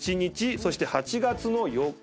そして８月の４日。